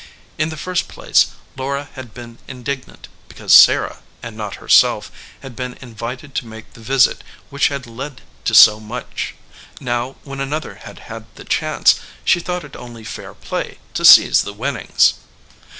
In the first place, Laura had been indignant because Sarah, and not herself, had been invited to make the visit which had led to so much. Now, when another had had the chance, she thought it only fair play to seize the winnings.